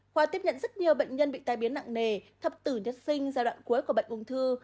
khoa tiếp nhận rất nhiều bệnh nhân bị tai biến nặng nề thập tử nhất sinh giai đoạn cuối của bệnh ung thư